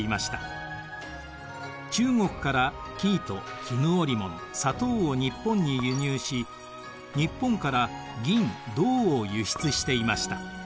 中国から生糸絹織物砂糖を日本に輸入し日本から銀銅を輸出していました。